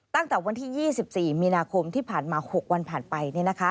ตั้งแต่วันที่๒๔มีนาคมที่ผ่านมา๖วันผ่านไป